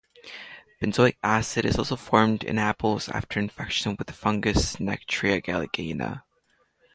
Benzoic acid is also formed in apples after infection with the fungus "Nectria galligena".